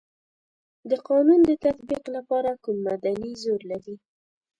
د قانون د تطبیق لپاره کوم مدني زور لري.